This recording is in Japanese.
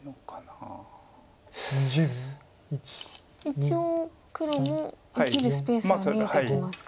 一応黒も生きるスペースは見えてきますか。